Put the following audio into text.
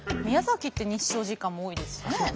宮崎って日照時間も多いですよね。